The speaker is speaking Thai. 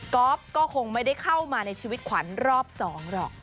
ก็คงไม่ได้เข้ามาในชีวิตขวัญรอบ๒หรอก